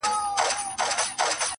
خو چي پام یې سو څلورو نرۍ پښو ته -